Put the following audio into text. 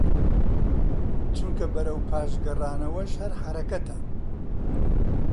چونکە بەرەو پاش گەڕانەوەش هەر حەرەکەتە